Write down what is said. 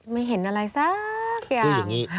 ไม่เห็นอะไรสักอย่าง